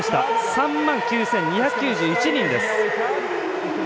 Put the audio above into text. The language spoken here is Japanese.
３万９２９１人です。